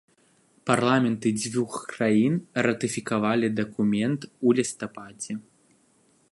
Парламенты дзвюх краін ратыфікавалі дакумент у лістападзе.